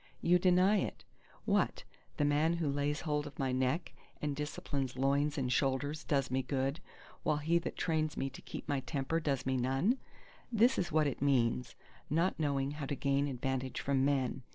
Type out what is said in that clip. You deny it. What, the man who lays hold of my neck, and disciplines loins and shoulders, does me good, ... while he that trains me to keep my temper does me none? This is what it means, not knowing how to gain advantage from men!